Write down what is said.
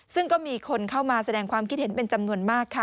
ซึ่งก็มีคนเข้ามาแสดงความคิดเห็นเป็นจำนวนมากค่ะ